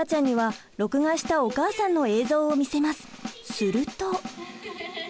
すると。